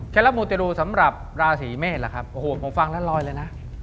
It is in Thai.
ละมูเตรูสำหรับราศีเมษล่ะครับโอ้โหผมฟังแล้วลอยเลยนะ